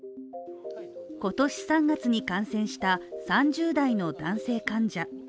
今年３月に感染した３０代の男性患者。